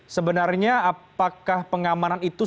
sebenarnya apakah pengamanan itu sudah diperlukan